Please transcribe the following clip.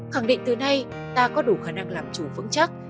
khẳng định từ nay ta có đủ khả năng làm chủ vững chắc